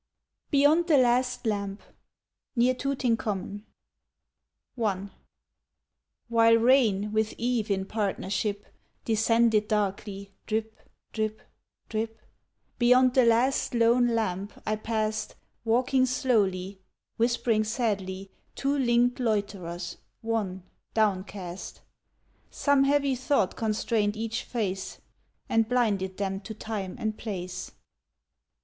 BEYOND THE LAST LAMP (Near Tooting Common) I WHILE rain, with eve in partnership, Descended darkly, drip, drip, drip, Beyond the last lone lamp I passed Walking slowly, whispering sadly, Two linked loiterers, wan, downcast: Some heavy thought constrained each face, And blinded them to time and place.